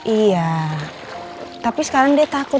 iya tapi sekarang dia takut